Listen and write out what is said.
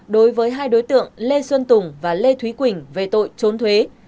đối với hai đối tượng lê xuân tùng và lê thúy quỳnh về tội trốn thuế